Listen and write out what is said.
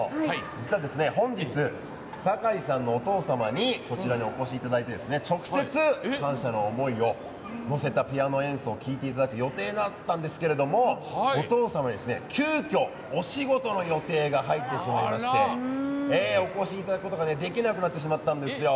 実は本日酒井さんのお父様にこちらにお越しいただいて直接、感謝の思いを乗せたピアノ演奏を聴いていただく予定だったんですけどもお父様、急きょ、お仕事の予定が入ってしまいましてお越しいただくことができなくなってしまったんですよ。